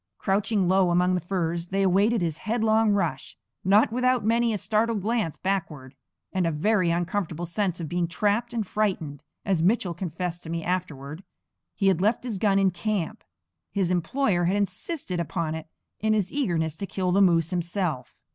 Crouching low among the firs they awaited his headlong rush; not without many a startled glance backward, and a very uncomfortable sense of being trapped and frightened, as Mitchell confessed to me afterward. He had left his gun in camp; his employer had insisted upon it, in his eagerness to kill the moose himself.